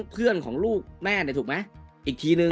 เพื่อนของลูกแม่ถูกไหมอีกทีนึง